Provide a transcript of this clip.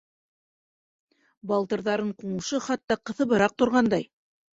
Балтырҙарын ҡуңысы хатта ҡыҫыбыраҡ торғандай.